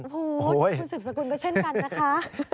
โอ้โหนี่คุณสืบสกุลก็เช่นกันนะคะ